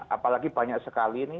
apalagi banyak sekali ini